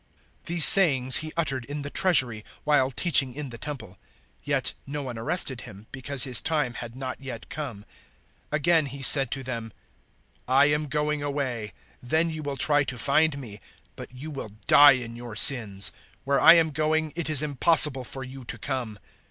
008:020 These sayings He uttered in the Treasury, while teaching in the Temple; yet no one arrested Him, because His time had not yet come. 008:021 Again He said to them, "I am going away. Then you will try to find me, but you will die in your sins. Where I am going, it is impossible for you to come."